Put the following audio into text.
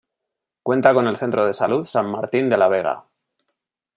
Cuenta con el Centro de Salud San Martín de la Vega.